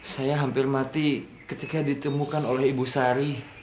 saya hampir mati ketika ditemukan oleh ibu sari